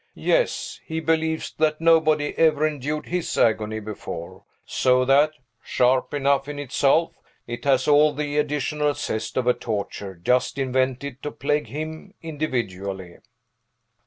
Yes; he believes that nobody ever endured his agony before; so that sharp enough in itself it has all the additional zest of a torture just invented to plague him individually."